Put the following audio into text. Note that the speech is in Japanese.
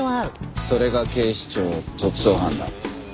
それが警視庁特捜班だ。